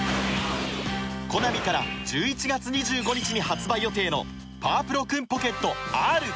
コナミから１１月２５日に発売予定の『パワプロクンポケットＲ』。